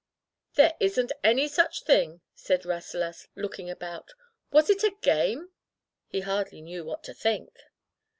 "There isn't any such thing,'* said Ras selas, looking about. Was it a game? He hardly knew what to think.